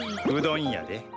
うどんやで？